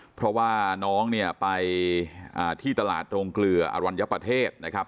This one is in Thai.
เพราะว่าน้องเนี่ยไปที่ตลาดโรงเกลืออรัญญประเทศนะครับ